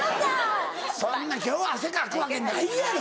そんな今日は汗かくわけないやろ。